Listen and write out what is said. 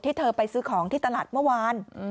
เธอไปซื้อของที่ตลาดเมื่อวาน